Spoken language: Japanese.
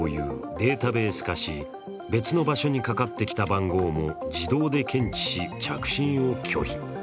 データベース化し、別の場所にかかってきた番号も自動で検知し、着信を拒否。